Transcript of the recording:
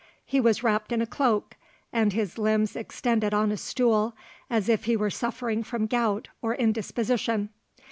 He was wrapped in a cloak, and his limbs extended on a stool, as if he were suffering from gout or indisposition.